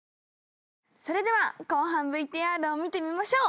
それでは後半ＶＴＲを見てみましょう。